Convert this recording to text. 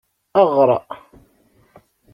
Eɣr.